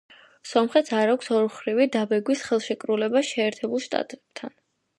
სომხეთს არ აქვს ორმხრივი დაბეგვრის ხელშეკრულება შეერთებულ შტატებთან.